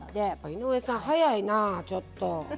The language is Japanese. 井上さん、早いなちょっと。